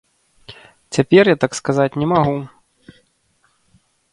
Цяпер я так сказаць не магу.